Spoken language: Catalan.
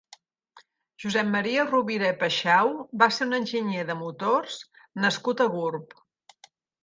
Josep Maria Rovira i Paxau va ser un enginyer de motors nascut a Gurb.